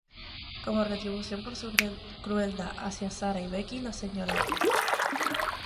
Como retribución por su crueldad hacia Sara y Becky, la Srta.